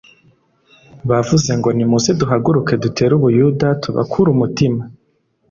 bavuze ngo nimuze duhaguruke dutere u buyuda tubakure umutima